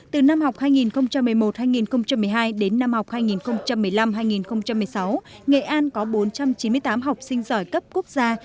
từ năm học hai nghìn một mươi một hai nghìn một mươi hai đến năm học hai nghìn một mươi năm hai nghìn một mươi sáu nghệ an có bốn trăm chín mươi tám học sinh giỏi cấp quốc gia